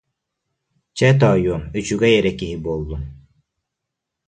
Чэ, тоойуом, үчүгэй эрэ киһи буоллун